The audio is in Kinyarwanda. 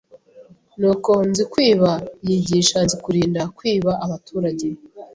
Nuko Nzikwiba yigisha Nzikurinda kwiba abaturage